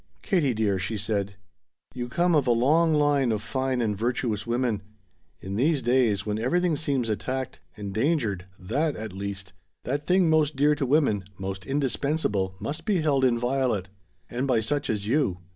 "Katie dear," she said, "you come of a long line of fine and virtuous women. In these days when everything seems attacked endangered that, at least that thing most dear to women most indispensable must be held inviolate. And by such as you.